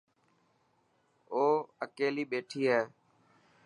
او اڪيلي ٻيٺي هي.